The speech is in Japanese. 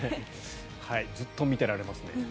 ずっと見てられますね。